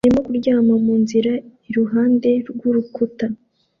arimo kuryama munzira iruhande rwurukuta